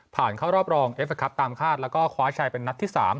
เข้ารอบรองเอฟเคครับตามคาดแล้วก็คว้าชัยเป็นนัดที่๓